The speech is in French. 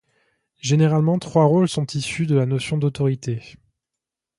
Généralement trois rôles sont issus de la notion d'autorité.